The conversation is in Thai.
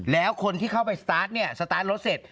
แล้วคนที่เข้าไปสตาร์ทเนี่ยสตาร์ทรถเสร็จ